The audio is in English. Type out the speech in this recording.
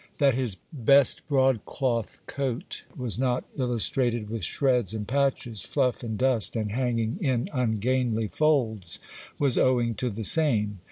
That his best broadcloth coat was not illustrated with shreds and patches, fluff and dust, and hanging in ungainly folds, was owing to the same.